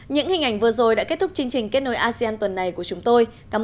những hình ảnh vừa rồi đã kết thúc chương trình kết nối asean tuần này của chúng tôi cảm ơn